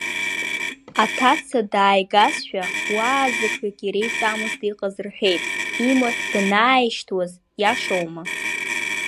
Аҭаца дааигазшәа, уаа-зықьҩык иреиҵамызт иҟаз рҳәеит, имаҳә данааишьҭуаз, иашоума?